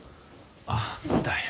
なんだよ。